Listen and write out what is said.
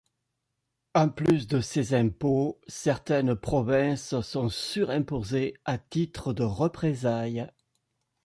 En plus de ces impôts, certaines provinces sont sur-imposées à titre de représailles.